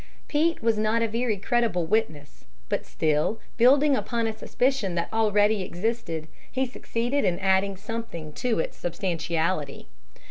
Pete was not a very credible witness; but still, building upon a suspicion that already existed, he succeeded in adding something to its substantiality.